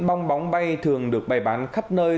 bong bóng bay thường được bày bán khắp nơi